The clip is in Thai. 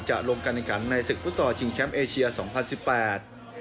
จะลงกรรณกันในศึกฟุตสอบชิงแชมป์เอเชียร์๒๐๑๘